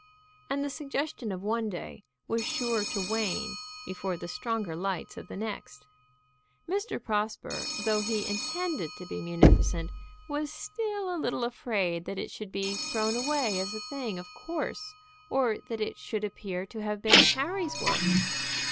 And the suggestion of one day was sure to wane before the stronger lights of the next. Mr. Prosper, though he intended to be munificent, was still a little afraid that it should be thrown away as a thing of course, or that it should appear to have been Harry's work.